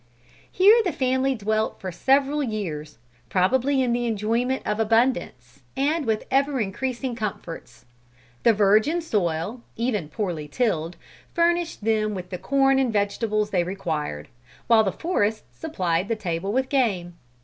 Here the family dwelt for several years, probably in the enjoyment of abundance, and with ever increasing comforts. The virgin soil, even poorly tilled, furnished them with the corn and the vegetables they required, while the forests supplied the table with game.